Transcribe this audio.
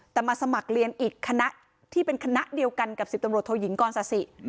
แต่มาสมัครเรียนอีกคณะที่เป็นคณะเดียวกันกับ๑๐ตำรวจโทยิงกรศาสิ